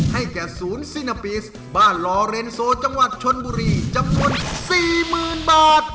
ให้แก่ศูนย์ซินาปีสบ้านลอเรนโซจังหวัดชนบุรีจำนวน๔๐๐๐บาท